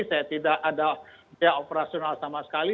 saya tidak ada biaya operasional sama sekali